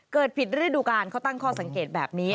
ผิดฤดูการเขาตั้งข้อสังเกตแบบนี้